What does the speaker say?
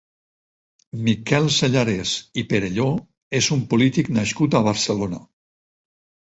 Miquel Sellarès i Perelló és un polític nascut a Barcelona.